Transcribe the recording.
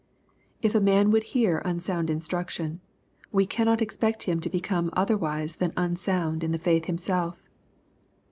If a man will hear unsound instruction, we cannot expect him to become otherwise than unsound in the faith himself.